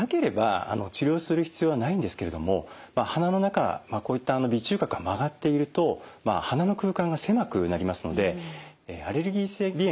治療する必要はないんですけれども鼻の中こういった鼻中隔が曲がっていると鼻の空間が狭くなりますのでアレルギー性鼻炎があるとですね